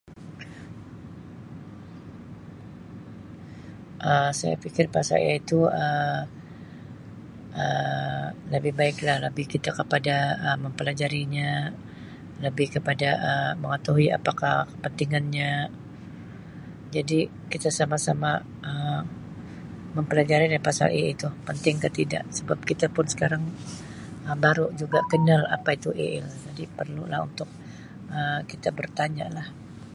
Saya fikir pasal AI tu Um lebih baik lah, lebih kita kepada mempelajarinya lebih kepada mengetahui apakah kepentingannya, jadi kita sama-sama mempelajari lah pasal AI tu pasal penting ka tidak, sebab kita sekarang baru juga kenal apa tu AI. Jadi perlulah untuk Um kita bertanya lah.